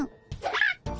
あっ。